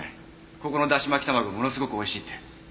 ここのだし巻き卵ものすごく美味しいって。